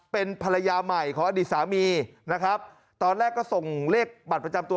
เป็นภรรยาใหม่ของอดีตสามีนะครับตอนแรกก็ส่งเลขบัตรประจำตัว